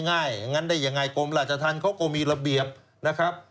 อย่างนั้นได้ยังไงกรมราชธรรมเขาก็มีระเบียบนะครับ